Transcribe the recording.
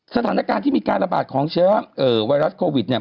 สถานการณ์ที่มีการระบาดของเชื้อไวรัสโควิดเนี่ย